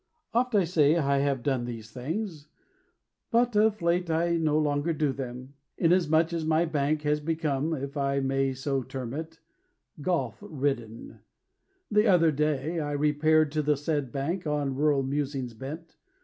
Oft, I say, have I done these things; But of late I no longer do them, Inasmuch as my bank Has become (if I may so term it) Golf ridden. The other day I repaired to the said bank On rural musings bent.